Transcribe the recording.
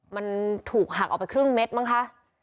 มันถูกหักออกไปครึ่งเม็ดมั้งคะ